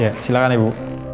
ya silahkan ibu